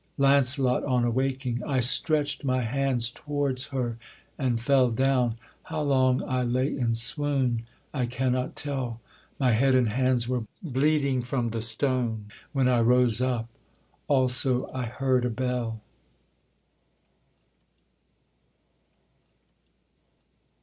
LAUNCELOT, on awaking. 'I stretch'd my hands towards her and fell down, How long I lay in swoon I cannot tell: My head and hands were bleeding from the stone, When I rose up, also I heard a bell.'